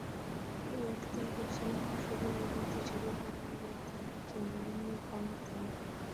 kikweektai kipsomaninik sukul kobote che bo barak okot Haji ne kimii fomit angwan